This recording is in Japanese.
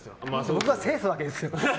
僕が制すわけですよ。